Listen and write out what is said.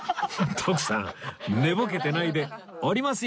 徳さん寝ぼけてないで降りますよ！